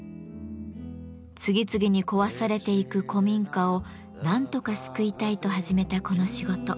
次々に壊されていく古民家をなんとか救いたいと始めたこの仕事。